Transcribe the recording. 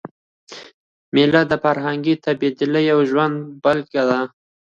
مېلې د فرهنګي تبادلې یوه ژوندۍ بېلګه ده.